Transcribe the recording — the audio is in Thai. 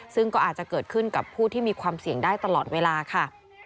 ซึ่งก็อาจจะเกิดขึ้นกับผู้ที่มีความเสี่ยงได้ตลอดเวลาค่ะ